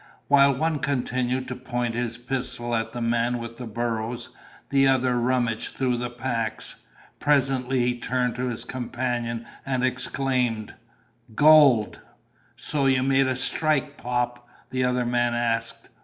While one continued to point his pistol at the man with the burros, the other rummaged through the packs. Presently he turned to his companion and exclaimed: "Gold!" "So you made a strike, Pop?" the other man asked.